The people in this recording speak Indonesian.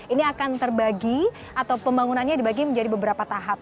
ini akan terbagi atau pembangunannya dibagi menjadi beberapa tahap